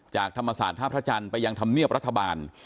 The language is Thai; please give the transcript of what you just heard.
ธรรมศาสตร์ท่าพระจันทร์ไปยังธรรมเนียบรัฐบาล